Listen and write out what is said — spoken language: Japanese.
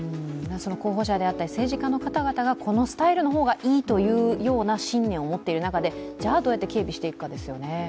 候補者であったり政治家の方々がこのスタイルがいいという信念を持っている中でじゃあ、どうやって警備していくかですよね。